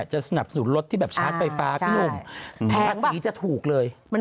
จะสนับสู่รถที่แบบชาร์จไฟฟ้าพี่ลุง